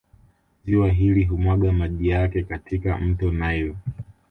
Ziwa hili humwaga maji yake katika Mto Nile